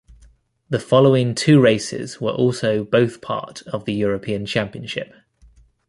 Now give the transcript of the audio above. The following two races were also both part of the European Championship.